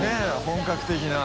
本格的な。